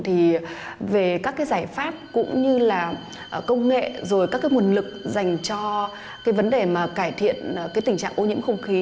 thì về các cái giải pháp cũng như là công nghệ rồi các cái nguồn lực dành cho cái vấn đề mà cải thiện cái tình trạng ô nhiễm không khí